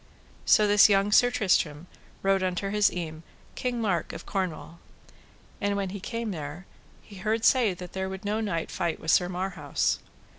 So this young Sir Tristram rode unto his eme, King Mark of Cornwall. And when he came there he heard say that there would no knight fight with Sir Marhaus.